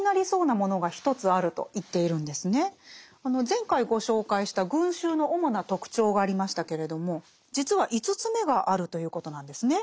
前回ご紹介した群衆の主な特徴がありましたけれども実は５つ目があるということなんですね。